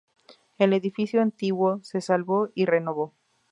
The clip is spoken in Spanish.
El edificio antiguo se salvó y renovó.